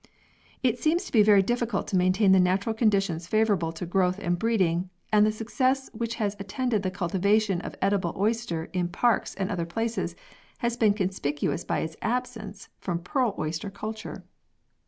It seems to be very difficult to maintain the natural conditions favourable to growth and breeding, and the success which has attended the cultivation of the edible oyster in parks and other places, has been conspicuous by its absence from pearl oyster culture.